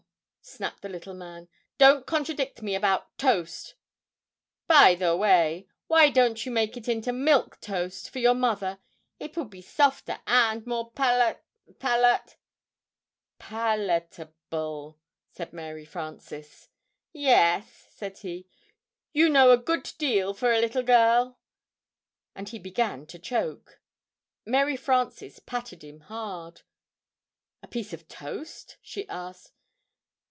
snapped the little man. "Don't contradict me about toast! By the way," he asked, "why don't you make it into Milk Toast for your mother? it would be softer, and more palat palat " "Pal a table," said Mary Frances. [Illustration: Buttered toast.] "Yes," said he, "you know a good deal for a little girl," and he began to choke. Mary Frances patted him hard. "A piece of toast?" she asked.